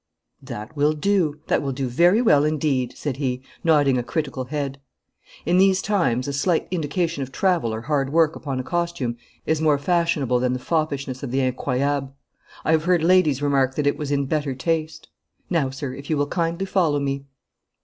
'That will do! That will do very well indeed!' said he, nodding a critical head. 'In these times a slight indication of travel or hard work upon a costume is more fashionable than the foppishness of the Incroyable. I have heard ladies remark that it was in better taste. Now, sir, if you will kindly follow me.'